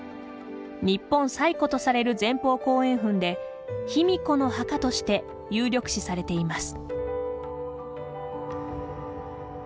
日本最古とされる前方後円墳で卑弥呼の墓として有力視されています。